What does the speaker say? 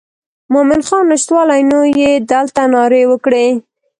مومن خان نشتوالی نو یې دلته نارې وکړې.